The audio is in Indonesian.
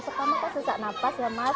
pertama kan susah nafas ya mas